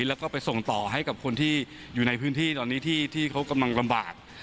แล้วก็ไปส่งต่อให้กับคนที่อยู่ในพื้นที่ตอนนี้ที่เขากำลังลำบาก